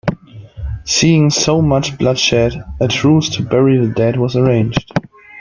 Seeing so much blood shed, a truce to bury the dead was arranged.